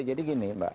jadi gini mbak